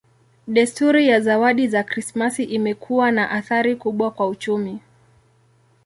Desturi ya zawadi za Krismasi imekuwa na athari kubwa kwa uchumi.